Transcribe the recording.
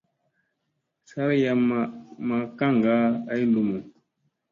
Sari yam ma kaŋga ay lumu.